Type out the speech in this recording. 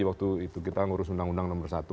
waktu itu kita ngurus undang undang nomor satu